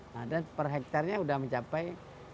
nah dan per hektarnya sudah mencapai